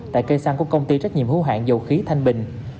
tại cây xăng của công ty trách nhiệm hữu hạn dầu khí thanh bình